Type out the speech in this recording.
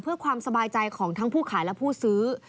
เพื่อความสบายใจของทั้งผู้ขายและผู้ซื้อ